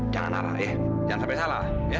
jangan nara ya jangan sampai salah